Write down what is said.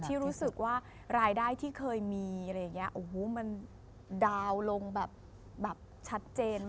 ที่รู้สึกว่ารายได้ที่เคยมีมันดาวน์ลงแบบชัดเจนมาก